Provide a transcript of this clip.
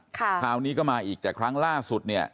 คราวนี้ก็มาอีกแต่ครั้งล่าสุดเนี่ย